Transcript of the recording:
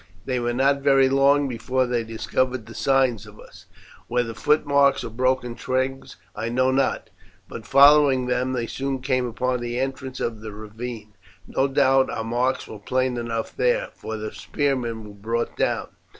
They were not very long before they discovered signs of us, whether footmarks or broken twigs I know not, but following them they soon came upon the entrance of the ravine. No doubt our marks were plain enough there, for the spearmen were brought down.